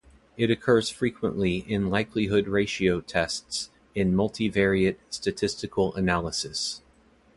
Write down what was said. It occurs frequently in likelihood-ratio tests in multivariate statistical analysis.